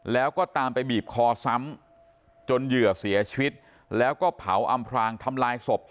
แล้วก็ตามไปบีบคอซ้ำจนเหยื่อเสียชีวิตแล้วก็เผาอำพรางทำลายศพ